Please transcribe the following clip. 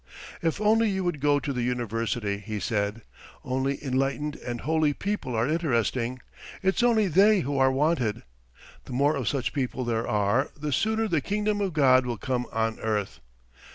"If only you would go to the university," he said. "Only enlightened and holy people are interesting, it's only they who are wanted. The more of such people there are, the sooner the Kingdom of God will come on earth.